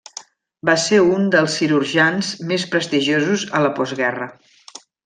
Va ser un dels cirurgians més prestigiosos a la postguerra.